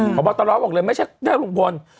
หมอบอตรบอกเลยไม่ใช่แค่ลุงพล